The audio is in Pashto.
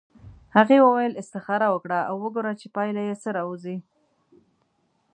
هغې وویل استخاره وکړه او وګوره چې پایله یې څه راوځي.